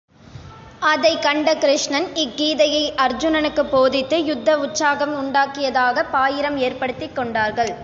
அதைக் கண்ட கிருஷ்ணன் இக்கீதையை அர்ச்சுனனுக்குப் போதித்து யுத்தவுச்சாகம் உண்டாக்கியதாகப் பாயிரம் ஏற்படுத்திக் கொண்டார்கள்.